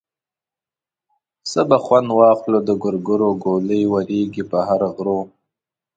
څه به خوند واخلو د ګورګورو ګولۍ ورېږي په هر غرو.